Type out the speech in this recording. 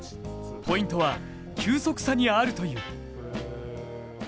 ポイントは、球速差にあるという。